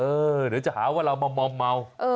เดี๋ยวจะหาว่าเรามามอมเมา